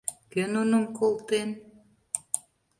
Кӧ нуным колтен?